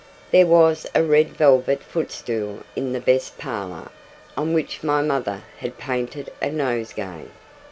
There was a red velvet footstool in the best parlour, on which my mother had painted a nosegay.